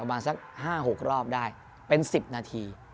ระยะบางสักห้าหกรอบได้เป็นสิบนาที